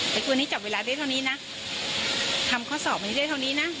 แต่คืนนี้จับเวลาได้เท่านี้นะทำข้อสอบนี้ได้เท่านี้นะ